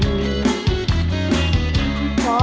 มา